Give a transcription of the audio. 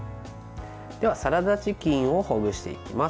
ではサラダチキンをほぐしていきます。